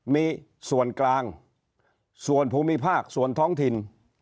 มีส่วนกลางส่วนภูมิภาคส่วนท้องถิ่น